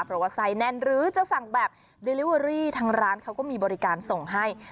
เพราะว่าไส้แน่นหรือจะสั่งแบบเดลิเวอรี่ทางร้านเขาก็มีบริการส่งให้